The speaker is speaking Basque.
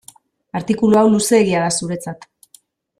Artikulu hau luzeegia da zuretzat.